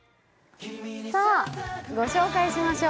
ご紹介しましょう。